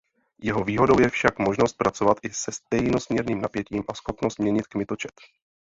Jeho výhodou je však možnost pracovat i se stejnosměrným napětím a schopnost měnit kmitočet.